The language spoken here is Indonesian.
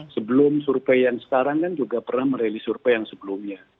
sebelum survei yang sekarang kan juga pernah merilis survei yang sebelumnya